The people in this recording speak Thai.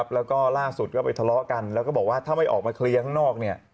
แล้วก็ล่าสุดก็ไปทะเลาะกันแล้วก็บอกว่าถ้าไม่ออกมาเคลียร์ข้างนอก